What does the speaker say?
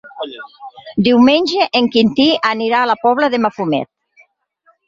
Diumenge en Quintí anirà a la Pobla de Mafumet.